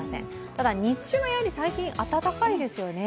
ただ日中は最近、暖かいですよね。